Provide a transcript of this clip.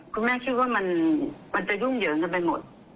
คุณแม่คิดว่ามันจะยุ่งเหยิงกันไปหมด